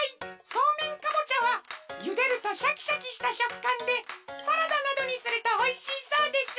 そうめんかぼちゃはゆでるとシャキシャキしたしょっかんでサラダなどにするとおいしいそうです。